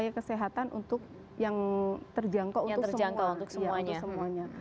bisa usahakan untuk yang terjangkau untuk semuanya